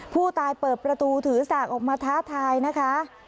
ผู้ตายเปิดประตูถือสากออกมาท้าทายนะคะ